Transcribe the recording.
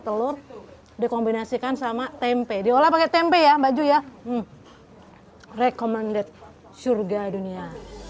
telur dikombinasikan sama tempe diolah pakai tempe ya mbak ju ya recommended surga dunia